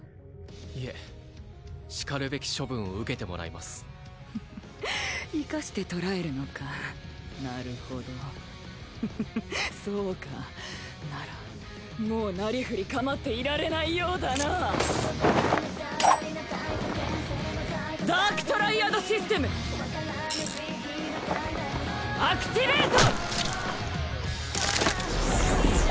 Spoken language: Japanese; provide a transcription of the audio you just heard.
いえしかるべき処分を受けてもらいますフフ生かして捕らえるのかなるほどフフフそうかならもうなりふり構っていられないようだなダークトライアドシステムアクティベート！